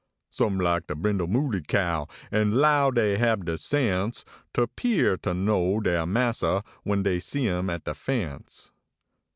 Some like de brindle mooley cow nd low dey hab de sense Ter pear ter know dere niassa we n dey see im at de fence.